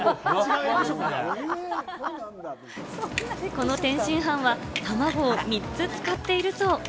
この天津飯は、たまごを３つ使っているそう。